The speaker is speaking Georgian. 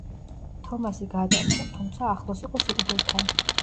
თომასი გადარჩა, თუმცა ახლოს იყო სიკვდილთან.